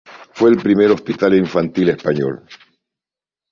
Fue el primer hospital infantil español.